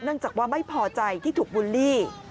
จากว่าไม่พอใจที่ถูกบูลลี่